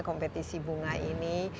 kompetisi bunga ini